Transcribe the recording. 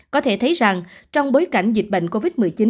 có thể thấy rằng trong bối cảnh dịch bệnh covid một mươi chín